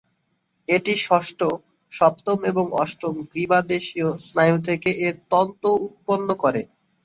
এটি ষষ্ঠ, সপ্তম এবং অষ্টম গ্রীবাদেশীয় স্নায়ু থেকে এর তন্তু উৎপন্ন করে।